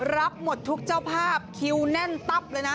รับหมดทุกเจ้าภาพคิวแน่นตับเลยนะ